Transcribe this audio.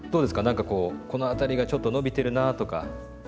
何かこうこの辺りがちょっと伸びてるなとか感じありますか？